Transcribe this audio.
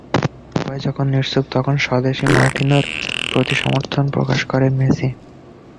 সবাই যখন নিশ্চুপ, তখন স্বদেশি মার্টিনোর প্রতি সমর্থন প্রকাশ করেন মেসি।